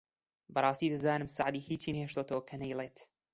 ! بەڕاستی دەزانم سەعدی هیچی نەهێشتۆتەوە کە نەیڵێت